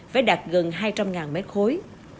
với đạt gần hai trăm linh m khối